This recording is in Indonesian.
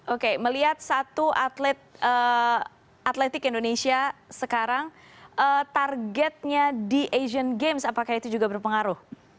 oke melihat satu atletik indonesia sekarang targetnya di asian games apakah itu juga berpengaruh